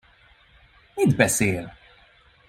Mit beszél?